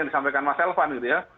yang disampaikan mas elvan gitu ya